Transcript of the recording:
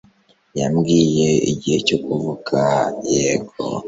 Yambwiye igihe cyo kuvuga yego